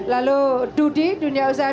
lalu duty dunia usaha